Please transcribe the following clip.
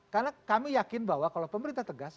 karena kami yakin bahwa kalau pemerintah tegas